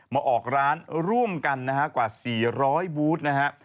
มาออกร้านร่วมกันนะฮะกว่า๔๐๐บูธนะฮะ